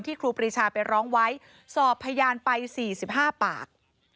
ครูปรีชาไปร้องไว้สอบพยานไป๔๕ปาก